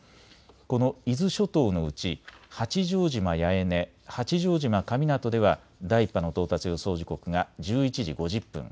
この伊豆諸島のうち八丈島八重根、八丈島神湊では第１波の到達予想時刻が１１時５０分。